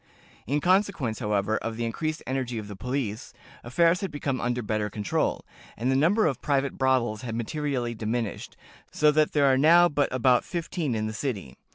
_ "In consequence, however, of the increased energy of the police, affairs had become under better control, and the number of private brothels had materially diminished, so that there are now but about fifteen in the city.